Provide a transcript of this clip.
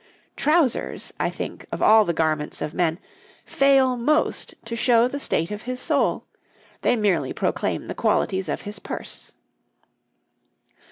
Trousers, I think, of all the garments of men, fail most to show the state of his soul; they merely proclaim the qualities of his purse.